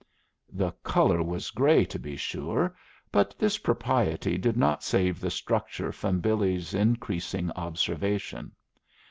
The color was gray, to be sure; but this propriety did not save the structure from Billy's increasing observation.